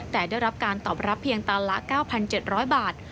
แต่ได้รับการตอบรับเพียงตันละ๙๗๐๐บาท